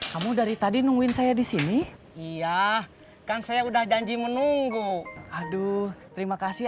kamu dari tadi nungguin saya disini iya kan saya udah janji menunggu aduh terima kasih